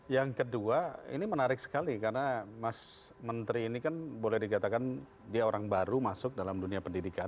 yang kedua ini menarik sekali karena mas menteri ini kan boleh dikatakan dia orang baru masuk dalam dunia pendidikan